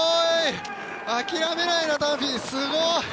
諦めないなダンフィーすごい！